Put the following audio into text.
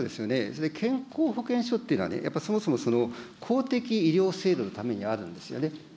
それで健康保険証というのはね、やっぱりそもそも、公的医療制度のためにあるんですよね。